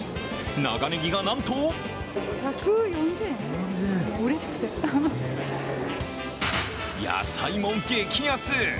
長ねぎがなんと野菜も激安。